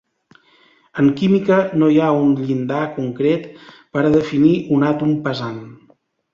En química, no hi ha un llindar concret per a definir un àtom pesant.